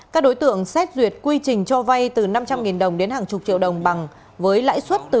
các đối tượng xét duyệt quy trình cho vay từ năm trăm linh đồng đến hàng chục triệu đồng bằng với lãi suất từ